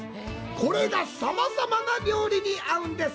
これがさまざまな料理に合うんです。